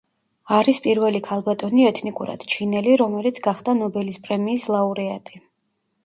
არის პირველი ქალბატონი ეთნიკურად ჩინელი, რომელიც გახდა ნობელის პრემიის ლაურეატი.